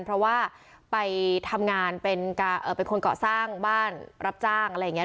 เพราะว่าไปทำงานเป็นการเอ่อเป็นคนเกาะสร้างบ้านรับจ้างอะไรอย่างเงี้ย